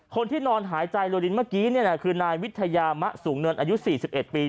คนที่นอนหายใจโรลินเมื่อกี้คือนายวิทยามะสูงเงินอายุ๔๑ปี